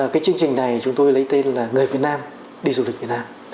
cái chương trình này chúng tôi lấy tên là người việt nam đi du lịch việt nam